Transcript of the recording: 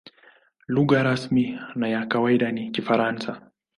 Lugha rasmi na ya kawaida ni Kifaransa.